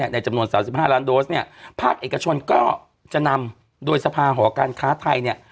ในจำนวน๓๕ล้านโดสภาคเอกชนก็จะนำโดยสภาหอการค้าไทย